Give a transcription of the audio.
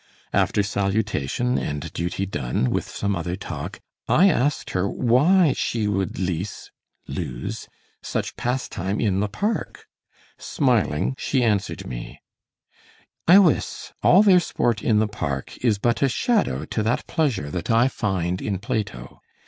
After salutation and duty done, with some other talk, I asked her why she would leese [lose] such pastime in the park? Smiling she answered me: "Iwisse, all their sport in the park is but a shadow to that pleasure that I find in Plato.